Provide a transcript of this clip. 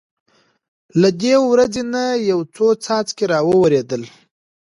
له دې وریځې نه یو څو څاڅکي را وورېدل.